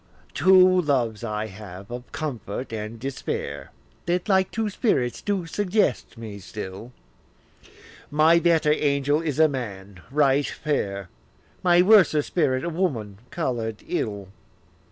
II. Two loves I have, of comfort and despair, That like two spirits do suggest me still; My better angel is a man right fair, My worser spirit a woman colour'd ill.